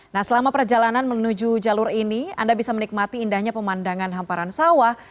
nah selama perjalanan menuju jalur ini anda bisa menikmati indahnya pemandangan hamparan sawah